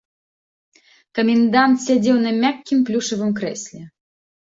Камендант сядзеў на мяккім плюшавым крэсле.